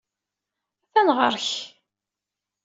Atan ɣer-k.